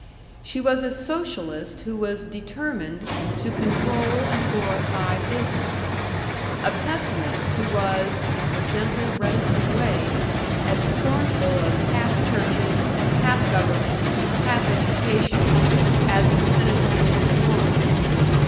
She was a socialist who was determined to control and glorify business; a pessimist who was, in her gentle reticent way, as scornful of half churches, half governments, half educations, as the cynical Mrs. Lawrence.